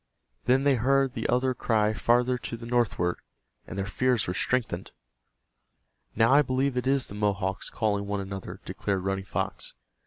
Then they heard the other cry farther to the northward, and their fears were strengthened. "Now I believe it is the Mohawks calling one another," declared Running Fox.